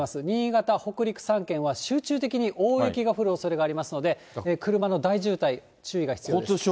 新潟、北陸３県は集中的に大雪が降るおそれがありますので、車の大渋滞、注意が必要です。